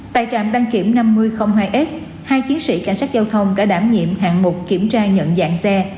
tại trạm đăng kiểm năm mươi hai s hai chiến sĩ cảnh sát giao thông đã đảm nhiệm hạng mục kiểm tra nhận dạng xe